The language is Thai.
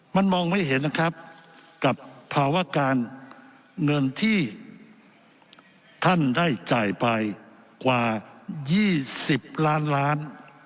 มันมองไม่เห็นนะครับกับภาวะการเงินที่ท่านได้จ่ายไปกว่า๒๐ล้านล้าน